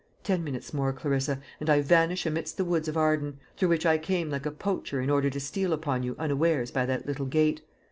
Ten minutes more, Clarissa, and I vanish amidst the woods of Arden, through which I came like a poacher in order to steal upon you unawares by that little gate.